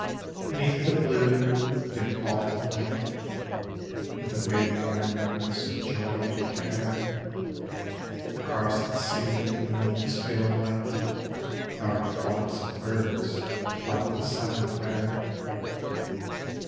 Beneath the blue, dim vault of night, With the way worn notes of joy and care, Across the sea of the moon's pale light Dark flocks of birds flap the silent air.